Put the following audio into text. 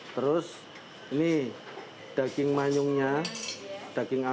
terus ini daging manyunya daging asli